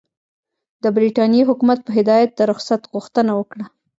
د برټانیې حکومت په هدایت د رخصت غوښتنه وکړه.